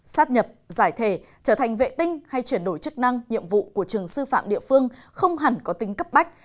sát nhập giải thể trở thành vệ tinh hay chuyển đổi chức năng nhiệm vụ của trường sư phạm địa phương không hẳn có tính cấp bách